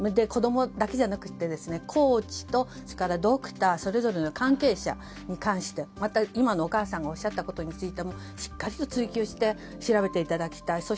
子供だけじゃなくてコーチとそれからドクターそれぞれの関係者に関してまた、今のお母さんがおっしゃったことについてもしっかりと追及して調べていただきたい。